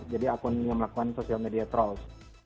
jadi akun yang melakukan social media trolls